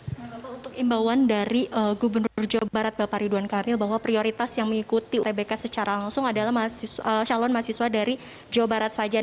selamat untuk imbauan dari gubernur jawa barat bapak ridwan kamil bahwa prioritas yang mengikuti ubk secara langsung adalah calon mahasiswa dari jawa barat saja